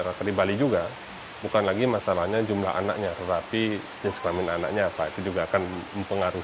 masyarakat di bali juga bukan lagi masalahnya jumlah anaknya tetapi jenis kelamin anaknya apa itu juga akan mempengaruhi